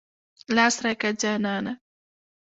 لاس راکه جانانه.